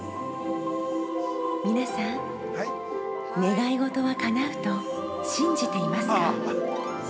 ◆皆さん、願い事はかなうと信じていますか。